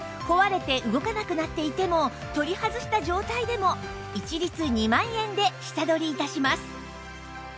壊れて動かなくなっていても取り外した状態でも一律２万円で下取り致します